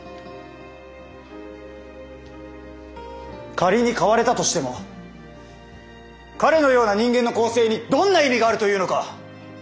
仮に変われたとしても彼のような人間の更生にどんな意味があるというのか！